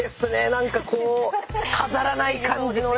何かこう飾らない感じのね。